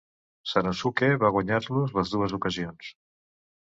Sanosuke va guanyar-los les dues ocasions.